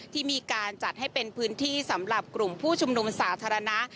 ที่มีการจัดให้เป็นพื้นที่สำหรับกลุ่มผู้ชุมนุมสาธารณะ